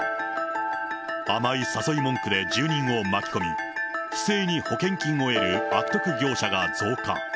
甘い誘い文句で住人を巻き込み、不正に保険金を得る悪徳業者が増加。